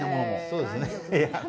そうですね。